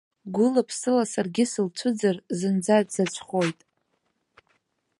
Гәыла-ԥсыла саргьы сылцәыӡыр, зынӡа дзаҵәхоит.